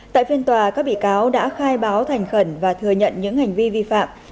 tại phiên tòa các bị cáo đã khai báo thành khẩn và thừa nhận những hành vi vi phạm